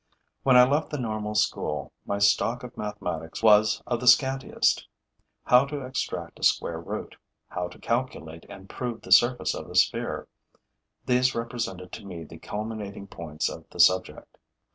When I left the normal school, my stock of mathematics was of the scantiest. How to extract a square root, how to calculate and prove the surface of a sphere: these represented to me the culminating points of the subject.